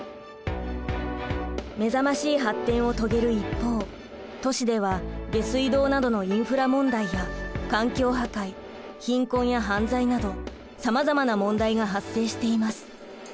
めざましい発展を遂げる一方都市では下水道などのインフラ問題や環境破壊貧困や犯罪などさまざまな問題が発生しています。